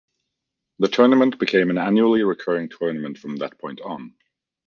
The tournament became an annually recurring tournament from that point on.